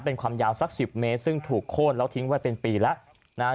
เป็นความยาวสักสิบเมตรซึ่งถูกโค้นแล้วทิ้งไว้เป็นปีแล้วนะฮะ